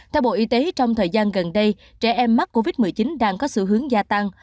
theo bộ y tế trong thời gian gần đây trẻ em mắc covid một mươi chín đang có sự hướng gia tăng